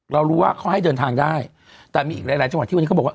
เรารู้ว่าเขาให้เดินทางได้แต่มีอีกหลายหลายจังหวัดที่วันนี้เขาบอกว่า